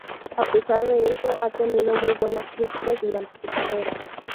A pesar de eso, ha tenido muy buenas críticas durante su carrera.